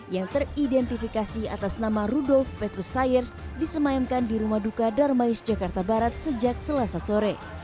yang teridentifikasi atas nama rudolf petrusyers disemayamkan di rumah duka darmais jakarta barat sejak selasa sore